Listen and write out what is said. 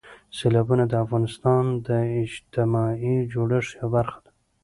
سیلابونه د افغانستان د اجتماعي جوړښت یوه برخه ده.